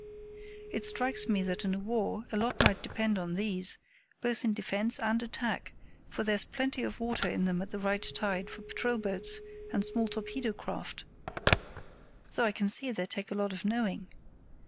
"It strikes me that in a war a lot might depend on these, both in defence and attack, for there's plenty of water in them at the right tide for patrol boats and small torpedo craft, though I can see they take a lot of knowing.